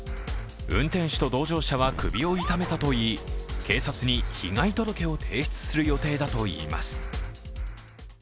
運転手と同乗者は首を痛めたといい警察に被害届を提出する予定だといいます。